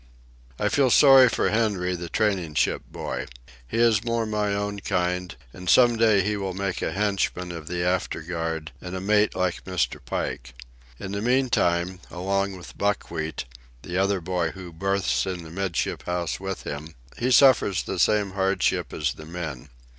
I feel sorry for Henry, the training ship boy. He is more my own kind, and some day he will make a henchman of the afterguard and a mate like Mr. Pike. In the meantime, along with Buckwheat, the other boy who berths in the 'midship house with him, he suffers the same hardship as the men.